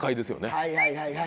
はいはいはいはい。